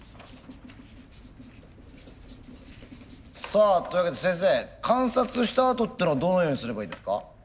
さあというわけで先生観察したあとっていうのはどのようにすればいいですか？